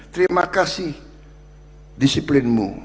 terima kasih disiplinmu